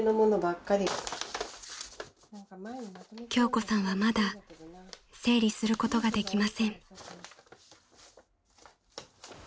［京子さんはまだ整理することができません］